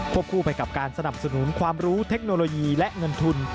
คู่ไปกับการสนับสนุนความรู้เทคโนโลยีและเงินทุน